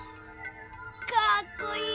かっこいい！